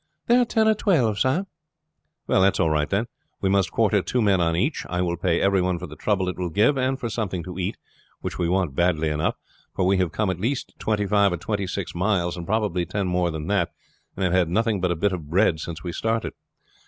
"There are ten or twelve, sir." "That is all right, then. We must quarter two men on each. I will pay every one for the trouble it will give, and for something to eat, which we want badly enough, for we have come at least twenty five or twenty six miles, and probably ten more than that, and have had nothing but a bit of bread since we started."